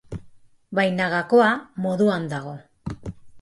Baina gakoa moduan dago.